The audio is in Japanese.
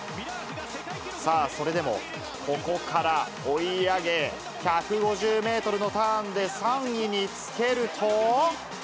さあ、それでもここから追い上げ、１５０メートルのターンで３位につけると。